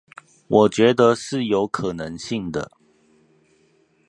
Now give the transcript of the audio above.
我覺得是有可能性的